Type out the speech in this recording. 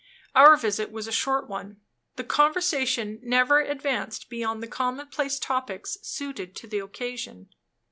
Our visit was a short one. The conversation never advanced beyond the commonplace topics suited to the occasion.